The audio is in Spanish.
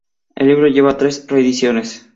El libro lleva tres reediciones.